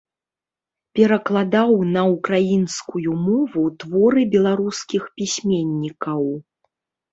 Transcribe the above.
Перакладаў на ўкраінскую мову творы беларускіх пісьменнікаў.